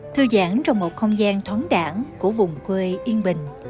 thư giãn trong một không gian thoáng đảng của vùng quê yên bình